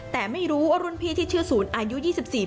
แต่ไม่รู้ว่ารุ่นพี่ที่ชื่อศูนย์อายุ๒๔ปี